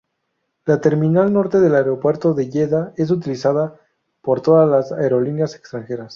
La terminal norte del aeropuerto de Yeda es utilizada por todas las aerolíneas extranjeras.